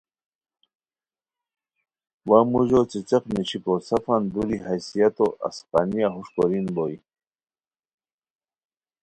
وا موژو څیڅیق نیشیکو سفان دُوری حیثیتو اسقانیہ ہوݰ کورین بوئے